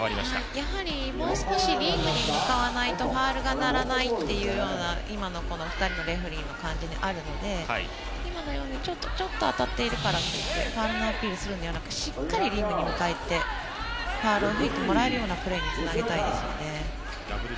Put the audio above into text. やはりもう少しリングに向かわないとファウルが鳴らないという今の２人のレフェリーの感じがあるので今のようにちょっと当たっているからといってファウルのアピールをするのではなくてしっかりリングに向かってファウルをもらえるようなプレーにしたいですね。